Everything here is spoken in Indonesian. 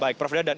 baik prof dadan